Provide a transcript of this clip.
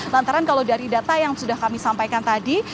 lantaran kalau dari data yang sudah kami sampaikan tadi